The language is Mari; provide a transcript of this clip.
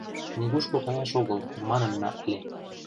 — Нигушко каяш огыл, манынна ыле.